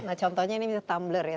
nah contohnya ini misalnya tumbler ya